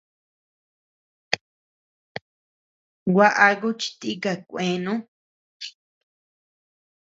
Gua aku chi tika kuenu.